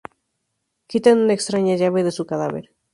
Quitan una extraña llave de su cadáver.